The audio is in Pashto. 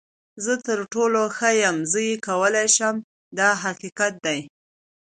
زه تر ټولو ښه یم، زه یې کولی شم دا حقیقت دی.